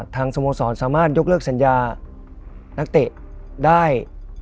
สโมสรสามารถยกเลิกสัญญานักเตะได้